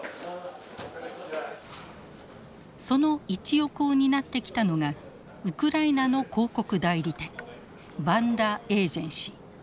その一翼を担ってきたのがウクライナの広告代理店バンダ・エージェンシー。